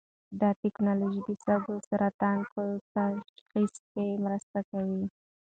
دا ټېکنالوژي د سږو سرطان په تشخیص کې مرسته کوي.